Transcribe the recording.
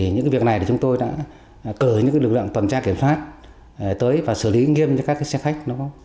những việc này chúng tôi đã cử những lực lượng tuần tra kiểm soát tới và xử lý nghiêm cho các xe khách